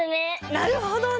なるほどね。